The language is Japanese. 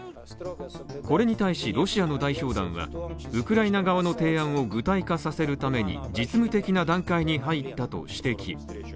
これに対し、ロシアの代表団はウクライナ側の提案を具体化させるために実務的な段階に入ったと指摘。